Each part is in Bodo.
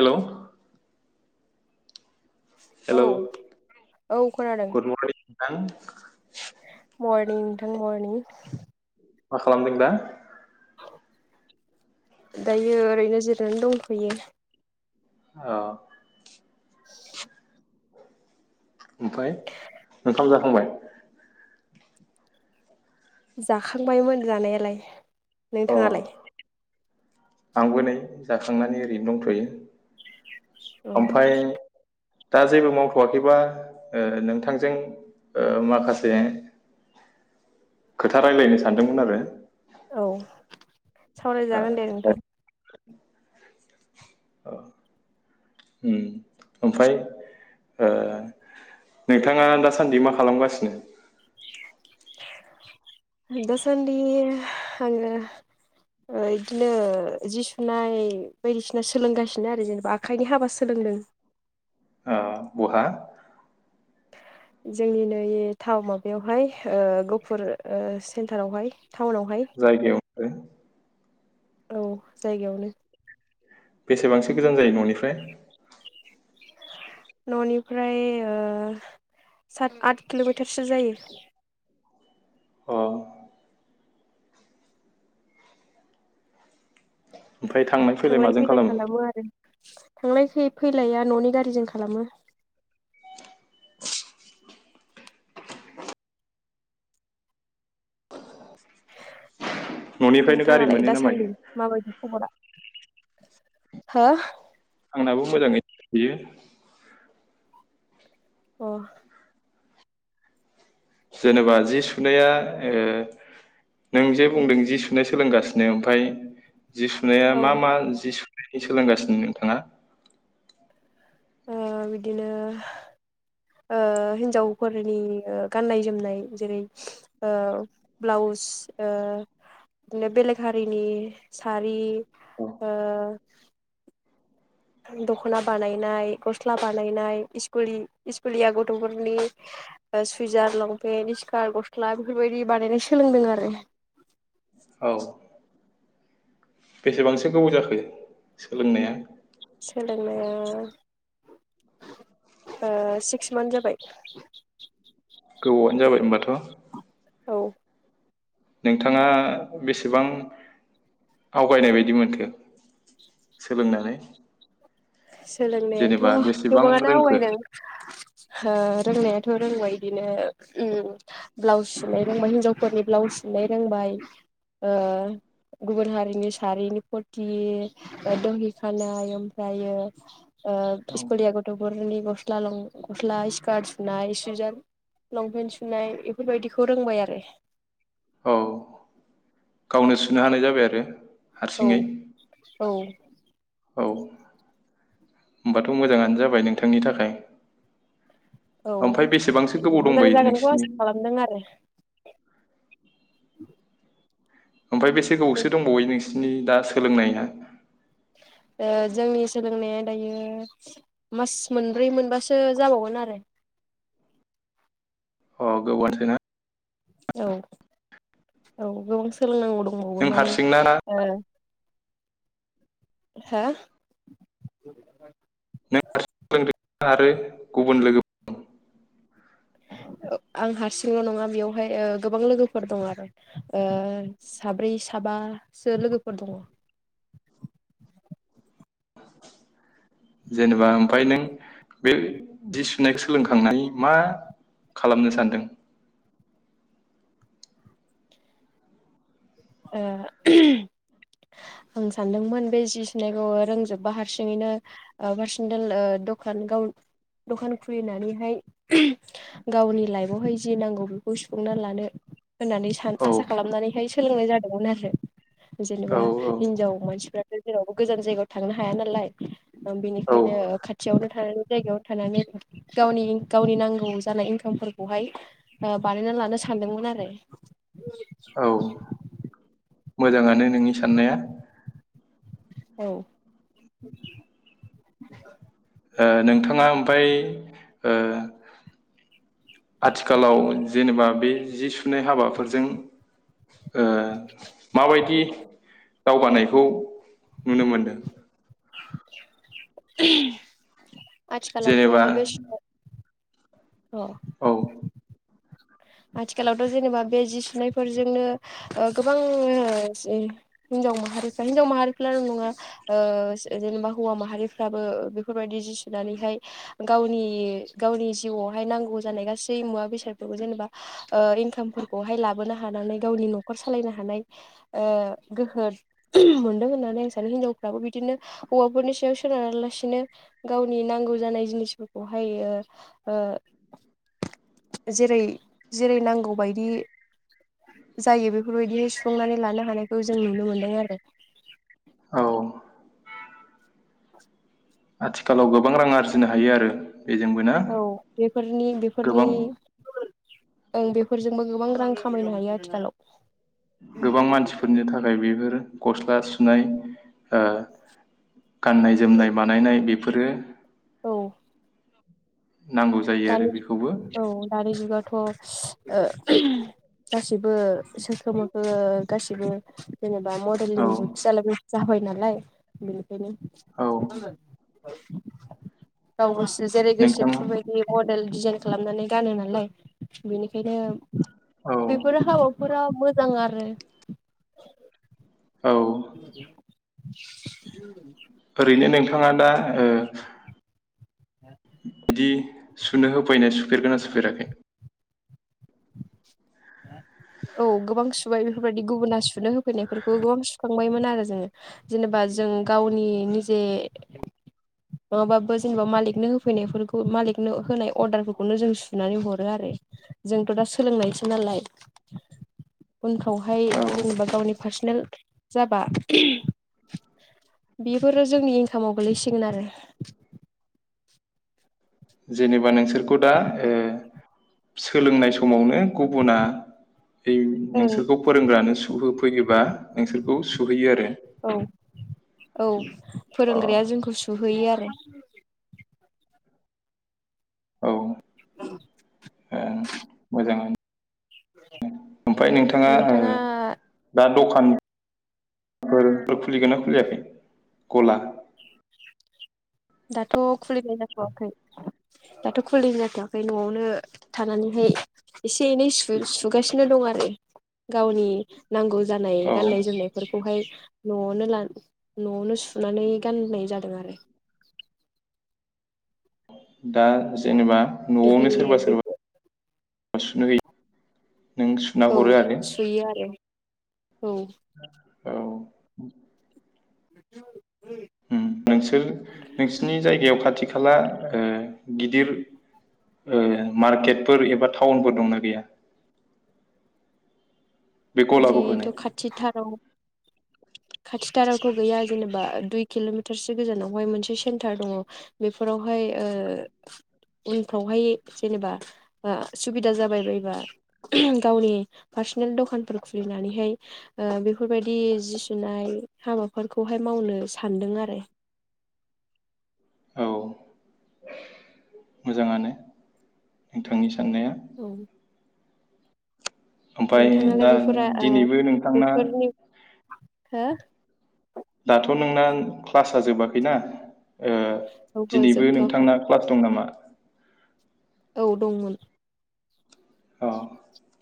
हेलौ हेलौ औ औ खोनादों। थां। मरनिं नोंथां मरनिं। मा खालामदों दा? दायो ओरैनो जिरनानै दंथ'यो। औ। ओमफाय ओंखाम जाखांबाय? जाखांबायमोन जानायालाय। अ नोंथाङालाय? आंबो नै जाखांनानै ओरैनो दंथ'यो। औ ओमफाय दा जेबो मावथ'आाखैबा ओ नोंथांजों ओ माखासे खोथा रायलायनो सानदोंमोन आरो। औ। सावरायजागोन दे नोंथां। ओ उम ओमफाय ओ नोंथाङा दासान्दि मा खालामगासिनो? [inaudible] दासानदि आङो इदिनो जि सुनाय बायदिसिना सोलोंगासिनो आरो जेनेबा आखाइनि हाबा सोलोंदों। आ बहा? जोंनि नै थाव माबायावहाय ओ गपुर सेन्टारावहाय। टाउनावहाय। ओ। औ जायगावनो। बेसेबांसो गोजान जायो न'निफ्राय? न'निफ्राय ओ सात आट किल'मिटारसो जायो। औ ओमफ्राय थांलाय फैलाय माजों खालाम थांलायखै फैलाया न'नि गारिजों खालामो न'निफ्रायनो गारि नोंथाङालाय मोनो ना मायो दासान्दि माबायदि खबरा हा आंनाबो मोजाङै थायो अ जेनेबा जि सुनाया ओ नों जे बुंदों जि सुनाय सोलोंगासिनो ओमफ्राय जि सुनाया औ मा मा ओ जि सु नो सोलोंगासिनो नोंथाङा बिदिनो हिन्जावफोरनि गाननाय जोमनाय जेरै ब्लाउस बिदिनो बेलेग हारिनि सारि ओ औ दख'ना बानायनाय गस्ला बानायनाय सस्कुुलिया गथ'फोरनि सुइजार लंपेन्ट स्कार्ट गस्ला बेफोरबायदि बानायनाय सोलोंदों आरो औ बेसेबांसो गोबाव जाखो सोलोंनाया सोलोंनाया सिक्स मान्थ जाबाय गोबावानो जाबाय होमबाथ' औ नोंथाङा बेसेबां आवगायनाय बायदि मोनखो सोलोंनानै सोलोंनायाथ' जेनेबा बेसेबां गोबाङानो रोंखो आवगायदों रोंनायाथ' रोंबाय बिदिनो ब्लाउस सुनाय रोंबाय हिनजावफोरनि ब्लाउस सुनाय रोंबाय गुबुन हारिनि सारिनि फुरथि दहि खानाय ओमफ्रायो [inaudible] [unintelligible] आ औ इस्कुलिया गथफोरनि गस्ला लं गस्ला स्कार्ट सुनाय सुइजार लंपेन्ट सुनाय बेफोरबायदिखौ रोंबाय आरो औ गावनो सुनो हानाय जाबाय आरो औ हारसिङै औ औ होनबाथ' मोजाङानो जाबाय नोंथांनि थाखाय औ ओमफ्राय बेसेबांसो गोबाव मोजां दंबायो जागोनखौ नोंसिनि आसा खालामदों आरो [inaudible] [unintelligible] ओमफ्राय बेसे गोबावसो दंबावो नोंसिनि नोंसिनि दा सोलोंनाया जोंनि सोलोंनाया दायो मास मोनब्रै मोनबासो जाबावगोन आरो अ गोबारसिना [inaudible] [unintelligible] औ औ गोबां सोलोंनांगौ दं नों हारसिंना ना हा न [inaudible] [unintelligible] आरो गुबुन लोगोफोर दं आं हारसिंल' नङा बेयावहाय गोबां लोगोफोर दं आरो साब्रै साबासो लोगोफोर दङ जेनेबा ओमफ्राय नों बे जि सुनायखौ सोलोंखांनाय मा खालामनो सानदों? ओ आं सानदोंमोन बे जि सुनायखौ रोंजोबबा हारसिङैनो पार्सनेल दखान गाव दखान खुलिनानैहाय गावनि लाइफआवहाय जि नांगौ बेखौ सुफुंना लानो। होननानै सान औ आसा खालामनानैहाय सोलोंनाय जादों [unintelligible] औ जेनेबा हिनजाव मानसिफ्रा जेरावबो गोजान जायगायाव थांनो हाया नालाय औ बेनिखायनो खाथियावनो थानानै जायगायाव थानानै गावनि गावनि नांगौ जानाय इनकामफोरखौहाय बानायना लानो सानदोंमोन आरो औ मोजाङानो नोंनि साननाया। औ ओ नोंथाङा ओमफ्राय ओ आथिखालाव जेनेबा बे जि सुनाय हाबाफोरजों ओ माबायदि दावगानायखौ नुनो मोनदों? [unintelligible] आथिखालावथ जेनेबा बेसे [unintelligible] औ आथिखालावथ' जेनेबा बे जि सुनायफोरजोंनो ओ गोबां हिनजाव माहारिफ्रा हिनजाव माहारिफ्र नङा जेनेबा हौवा माहारिफ्राबो बेफोरबायदि जि सुनानैहाय गावनि गावनि जिउआवहाय नांगौ जानाय गासै मुवा बेसादफोरखौ जेनेबा ओ इनकामफोरखौहाय लाबोनो हानानै गावनि न'खर सालायनो हानाय ओ गोहो मोनदों होननानै आं सानो हिनजावफ्राबो बिदिनो हौवाफोरनि सायाव सोनारा लासिनो गावनि नांगौ जानाय जिनिसफोरखौहाय ओ जेरै जेरै नांगौबायायदि जायो बेफोरबायदि सुफुंनानै लानो हानायखौ जों नुनो मोनदों आरो औ आथिखालाव गोबां रां आरजिनो हायो आरो बेजोंबो ना औ बेफोरनि बेफोरनि गोबां ओं बेफोरजोंबो गोबां रां खामायनो हायो आथिखालाव गोबां मानसिफोरनि थाखाय बेफोरो गस्ला सुनाय ओ गाननाय जोमनाय बानायनाय बे फोरो औ नांगौ जायो आरो बेखौबो थ ओ गासिबो सोरखोमोखो गासिबो जेनेबा औ मडेलिं जुगसो जालायबाय जाबाय नालाय औ [unintelligible] गाव‌ गोसो जेरै गोसो नोंथाङा बेफोरबाय मडेल डिजाइन खालामनानै गानो नालाय बेनिखायनो औ बिफोरो हाबाफोराव मोजां आरो [inaudible] [inaudible] औ ओरैनो नों थाङा दा ओ बिदि सुनो होफैनो सु फेरगोना सुफेराखै? [inaudible] औ गोबां सुबाय बेफोरबायदि गुबुना सुनो होफैनायफोरखौ गोबां सुखांबायमोन आरो जोङो जेनेबा जों गावनि निजे नङाबाबो जेनेबा मालिकनो होफैनायफोरखौ मालिकनो होनाय अर्डारखौफोरखौनो जों सुनानै ह रो आरो जोंथ' दा सोलोंनायसो नालाय उनफ्रावहाय औ जेनेबा गावनि फार्सनेल जाबा बेफोरो जोंनि इनखामाव गोलैसिगोन आरो। जेनेबा नोंसोर खौ दा ओ सोलोंनाय समावनो गुबुना ओं नोंसोरखौ फोरोंग्रानो सुहो फैयोबा नोंसोरखौ सुहैयो आरो औ औ अ फोरोंग्राया जोंखौ सुहोयो आरो। [inaudible] औ [inaudible] ओं मोजाङानो ओमफ्राय ओ नोंथाङा दा दखानफोर खुलिगोना खुलियाखै गला? दाथ' खुलिनाय जाथवाखै दाथ खुलिनाय जाथवाखै नआवनो थानानैहाय एसे एनै सु सुगासिनो दं आरो गावनि नांगौ जानाय औ गाननाय जोमनायफोरखौहाय न'आवनो लान न'आवनो सुनानै गाननाय जादों आरो। दा जेनेबा इदि न'आवनो सोरबा बे सोरबा सुनो है नों सुना औ हरो आरो सुयो आरो औ औ [inaudible] उम नोंसोर नोंसिनि जायगायाव खाथि खा खाला ओ गिदिर ओ मार्केटफोर एबा थाउनफोर दंना गैया। बे गलाखौ होनो जिहेथु खाथिथाराव खाथिथारावथ' गैया। जेनेबा दुइ किल'मिटारसो गोजानावहाय मोनसे सेन्टार दङ बेफोरावहाय ओह उनफ्रावहाय जेनेबा आ सुबिदा जाबाय बायबा गावनि पारस्नेल द'खानफोर खुलिनानैहाय ओह बेफोरबायदि जि सुनाय हाबाफोरखौहाय मावनो सानदों आरो। औ मोजाङानो नोंथांनि साननाया औ ओमफाय नोंथाङालाय दा बेफोरा ओ दिनैबो नोंथांना बेफोरनि हो दाथ' नोंना क्लासा जोबाखैना ओह औहो दिनैबो जोबथ'वाखै नोंथांना क्लास दं नामा औ दंमोन अह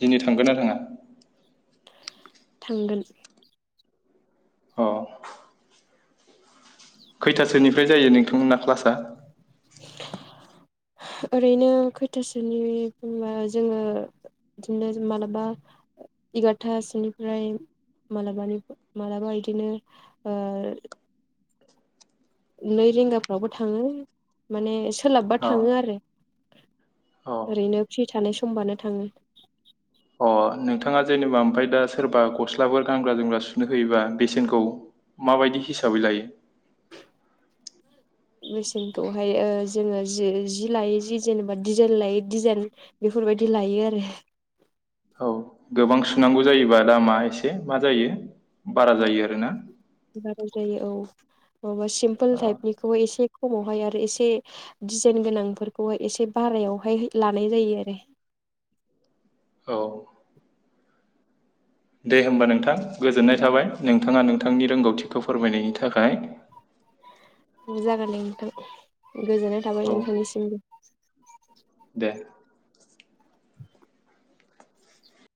दिनै थांगोना थाङा थांगोन अह खैथासोनिफ्राय जायो नोंथांमोनना क्लासा ओरैनो खोयथासोनिफ्रायबा जोङो बिदिनो मालाबा इगारथासोनिफ्राय मालाबानि मालाबा बिदिनो ओह नै रिंगाफ्रावबो थाङो माने सोलाबबा अ थाङो आरो अ ओरैनो फ्रि थानाय समबानो थाङो। अ नोंथाङा जेनेबा ओमफ्राय दा सोरबा गस्लाफोर गानग्रा जोमग्रा सुनो होयोबा बेसेनखौ माबायदि हिसाबै लायो। बेसेनखौहाय ओह जोङो जि जि लायै जि जेनेबा दिजाइन लायै डिजाइन बेफोरबायदि लायो आरो औ गोबां सुनांगौ जायोबा दामा एसे मा जायो बारा जायो आरोना। बाराय जायो औ बबा सिमपोल अ टाइपनिखौहाय एसे खमावहाय आरो एसे डिजाइन गोनांफोरखौहाय एसे बारायावहाय लानाय जायो आरो। औ दे होमबा नोंथां गोजोननाय थाबाय नोंथाङा नोंथांनि रोंगौथिखौ फोरमायनायनि थाखाय। जागोनदे नोंथां। गोजोननाय थाबाय औ नोंथांनिसिमबो एह